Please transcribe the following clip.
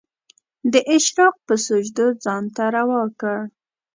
د اشراق په سجدو ځان ته روا کړ